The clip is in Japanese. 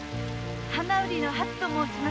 花売りの“はつ”と申します。